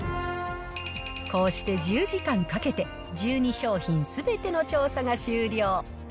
こうして１０時間かけて、１２商品すべての調査が終了。